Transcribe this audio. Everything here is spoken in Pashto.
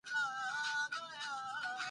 ازادي راډیو د کلتور د اغیزو په اړه مقالو لیکلي.